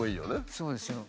そうですよ。